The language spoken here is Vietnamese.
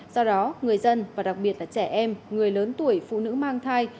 do đó người dân và đặc biệt là trẻ em người lớn tuổi phụ nữ mang thai